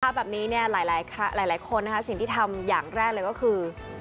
แบบนี้เนี่ยหลายคนนะคะสิ่งที่ทำอย่างแรกเลยก็คือ